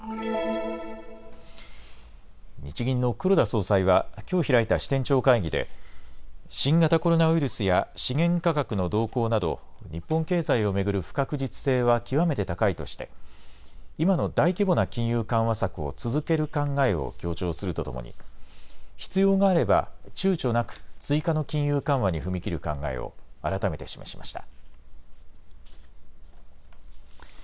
日銀の黒田総裁はきょう開いた支店長会議で、新型コロナウイルスや資源価格の動向など日本経済を巡る不確実性は極めて高いとして今の大規模な金融緩和策を続ける考えを強調するとともに、必要があればちゅうちょなく追加の金融緩和に踏み切る考えを改めて示しました。